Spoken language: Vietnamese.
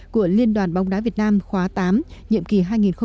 của liên đoàn bóng đá việt nam khóa tám nhiệm kỳ hai nghìn một mươi tám hai nghìn hai mươi